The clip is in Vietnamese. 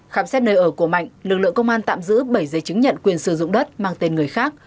khám xét nơi ở của mạnh lực lượng công an tạm giữ bảy giấy chứng nhận quyền sử dụng đất mang tên người khác